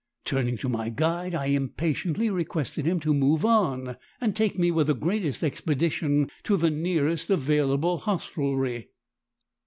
Turning to my guide, I impatiently requested him 'to move on,' and take me with the greatest expedition to the nearest available hostelry.